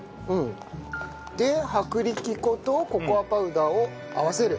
で薄力粉とココアパウダーを合わせる。